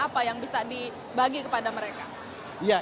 apa yang bisa dibagi kepada mereka